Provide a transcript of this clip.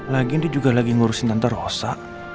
lagian dia juga lagi ngurusin tante rosa